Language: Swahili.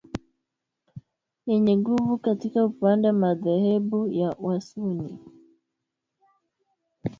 yenye nguvu katika upande madhehebu ya wasunni